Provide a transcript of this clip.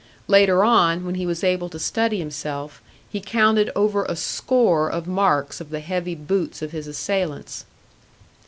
Later on, when he was able to study himself, he counted over a score of marks of the heavy boots of his assailants.